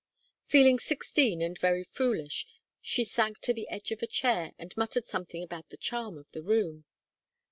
Feeling sixteen and very foolish, she sank to the edge of a chair and muttered something about the charm of the room.